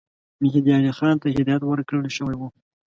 مهدي علي خان ته هدایت ورکړه شوی وو.